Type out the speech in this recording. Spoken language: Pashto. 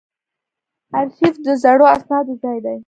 ارشیف د زړو اسنادو ځای دی